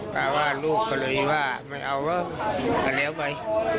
ว่าลูกก็เลยว่าไม่เอาเว้ยก็แล้วไป